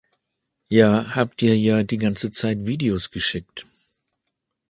Ja hab dir ja die ganze Zeit Videos geschickt.